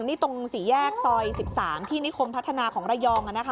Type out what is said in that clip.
นี่ตรงสี่แยกซอย๑๓ที่นิคมพัฒนาของระยอง